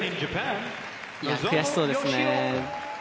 いやあ悔しそうですね。